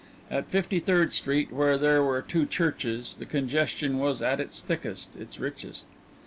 At Fifty third Street, where there were two churches, the congestion was at its thickest, its richest.